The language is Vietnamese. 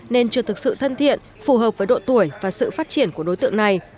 nên chưa thực sự thân thiện phù hợp với độ tuổi và sự phát triển của đối tượng này